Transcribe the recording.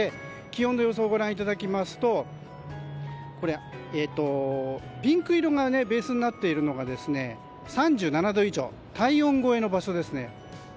気温の予想をご覧いただきますとピンク色がベースになっているのが、３７度以上体温超えの場所ですね。